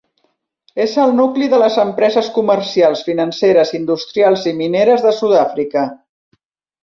És el nucli de les empreses comercials, financeres, industrials i mineres de Sud-àfrica.